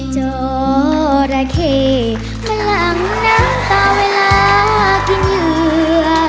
จอระเขมาหลังน้ำตาเวลากินเหยื่อ